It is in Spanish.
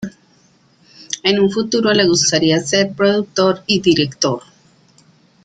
En un futuro le gustaría ser productor y director.